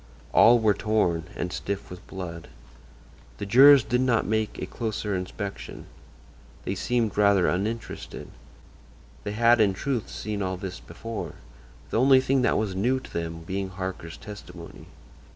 All were torn, and stiff with blood. The jurors did not make a closer inspection. They seemed rather uninterested. They had, in truth, seen all this before; the only thing that was new to them being Harker's testimony.